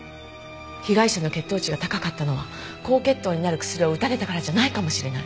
被害者の血糖値が高かったのは高血糖になる薬を打たれたからじゃないかもしれない。